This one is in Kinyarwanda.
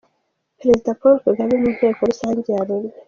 Perezida Pauk Kagame mu nteko rusange ya Loni